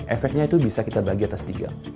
efeknya itu bisa kita bagi atas tiga